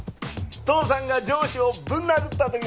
父さんが上司をぶん殴った時の話も。